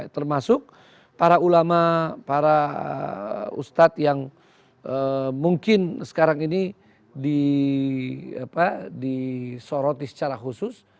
termasuk para ulama para ustadz yang mungkin sekarang ini disoroti secara khusus